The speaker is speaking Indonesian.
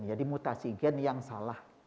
jadi mutasi gen yang salah